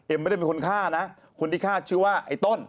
ไม่ได้เป็นคนฆ่านะคนที่ฆ่าชื่อว่าไอ้ต้น